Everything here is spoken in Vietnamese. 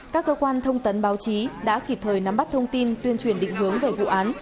các cơ quan thông tấn báo chí đã kịp thời nắm bắt thông tin tuyên truyền định hướng về vụ án